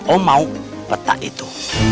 om mau peta itu